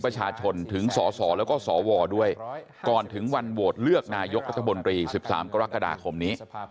ประชาชนถึงสสแล้วก็สวด้วยก่อนถึงวันโหวตเลือกนายกรัฐมนตรี๑๓กรกฎาคมนี้